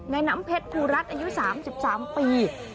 น้ำเพชรภูรัฐอายุ๓๓ปี